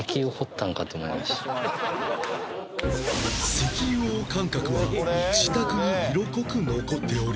石油王感覚は自宅に色濃く残っており